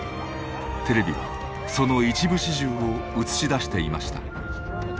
テレビはその一部始終を映し出していました。